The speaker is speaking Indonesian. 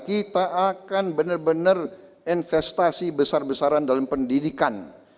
kita akan benar benar investasi besar besaran dalam pendidikan